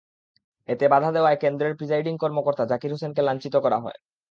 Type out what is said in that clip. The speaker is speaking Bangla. এতে বাধা দেওয়ায় কেন্দ্রের প্রিসাইডিং কর্মকর্তা জাকির হোসেনকে লাঞ্ছিত করা হয়।